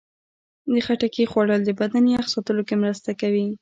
د خټکي خوړل د بدن یخ ساتلو کې مرسته کوي.